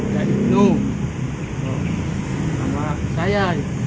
dia di bnu nama saya